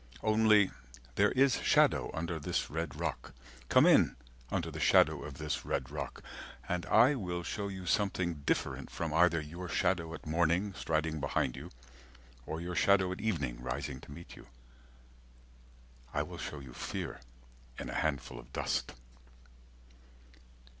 Only There is shadow under this red rock, (Come in under the shadow of this red rock), And I will show you something different from either Your shadow at morning striding behind you Or your shadow at evening rising to meet you; I will show you fear in a handful of dust.